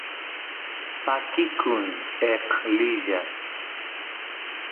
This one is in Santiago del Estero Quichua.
pakikun eqlilla